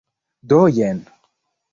Do jen.